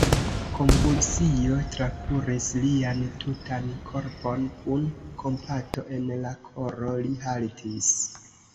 Konvulsio trakuris lian tutan korpon: kun kompato en la koro, li haltis.